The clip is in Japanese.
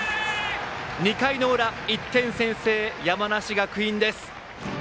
２回の裏、１点先制山梨学院です。